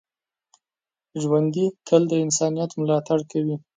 ژوندي تل د انسانیت ملاتړ کوي